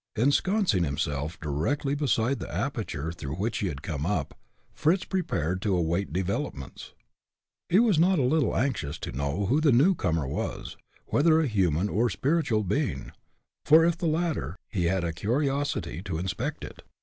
Ensconcing himself directly beside the aperture through which he had come up, Fritz prepared to await developments. He was not a little anxious to know who the new comer was whether a human or spiritual being, for if the latter, he had a curiosity to inspect it.